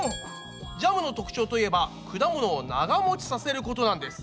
ジャムの特徴といえば果物を長もちさせることなんです。